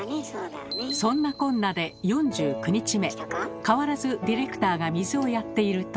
そんなこんなで４９日目変わらずディレクターが水をやっていると。